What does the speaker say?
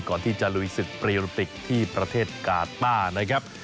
ก่อนที่จะลุยศึกปรีโรปิกที่ประเทศกาต้านะครับ